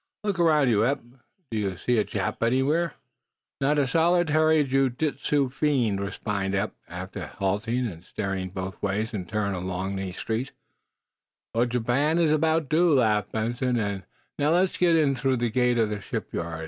Look around you, Eph. Do you see a Jap anywhere?" "Not a solitary jiu jitsu fiend," responded Eph, after halting and staring both ways in turn along the street. "Well, Japan is about due," laughed Benson. "And now, let's get in through the gate of the shipyard.